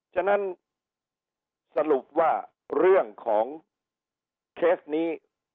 ฉะนั้นสรุปว่าเรื่องของเคสนี้